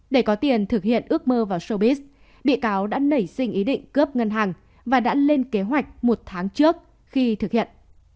để có tiền thực hiện ước mơ vào sobis bị cáo đã nảy sinh ý định cướp ngân hàng và đã lên kế hoạch một tháng trước khi thực hiện